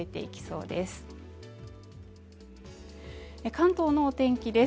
関東のお天気です